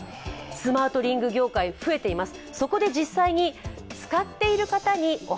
スマートリング業界、増えています